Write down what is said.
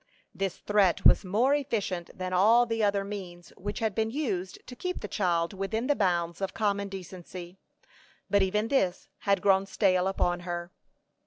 This threat was more efficient than all the other means which had been used to keep the child within the bounds of common decency; but even this had grown stale upon her.